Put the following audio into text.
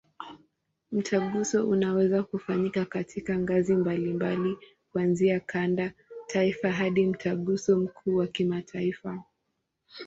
Mtaguso unaweza kufanyika katika ngazi mbalimbali, kuanzia kanda, taifa hadi Mtaguso mkuu wa kimataifa.